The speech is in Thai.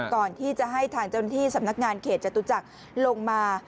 ก่อนที่จะให้ทางเจ้าหน้าที่สำนักงานเขตจตุจักรลงมา